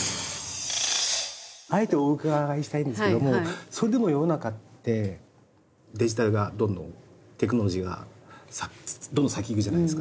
あえてお伺いしたいんですけどもそれでも世の中ってデジタルがどんどんテクノロジーがどんどん先行くじゃないですか。